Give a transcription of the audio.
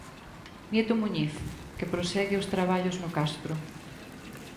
Nieto Muñiz, que prosegue os traballos no castro.